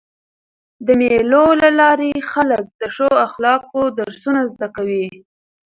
د مېلو له لاري خلک د ښو اخلاقو درسونه زده کوي.